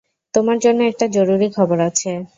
তোমার জন্য একটা জরুরি খবর আছে।